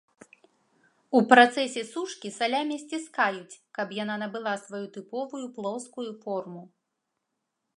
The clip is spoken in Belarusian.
У працэсе сушкі, салямі сціскаюць, каб яна набыла сваю тыповую плоскую форму.